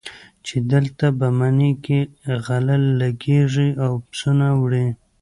چې دلته په مني کې غله لګېږي او پسونه وړي.